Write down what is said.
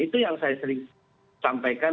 itu yang saya sering sampaikan